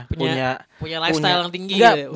punya lifestyle yang tinggi